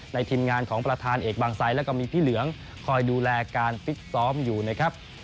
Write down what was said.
ทีมงานของประธานเอกบางไซด์แล้วก็มีพี่เหลืองคอยดูแลการฟิตซ้อมอยู่นะครับ